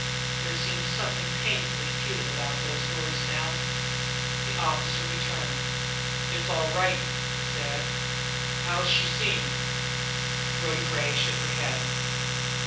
There seemed something pitifully futile in those words now! The officer returned. "It's all right," he said. "How's she seem?" Rhoda Gray shook her head.